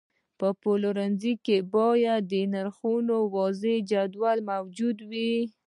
په پلورنځي کې باید د نرخونو واضحه جدول موجود وي.